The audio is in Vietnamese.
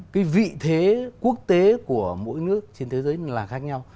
cái vị thế quốc tế của mỗi nước trên thế giới là khác nhau